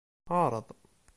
Ɛreḍ.